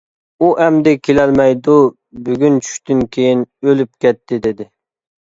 ئۇ ئەمدى كېلەلمەيدۇ، بۈگۈن چۈشتىن كېيىن ئۆلۈپ كەتتى، -دېدى.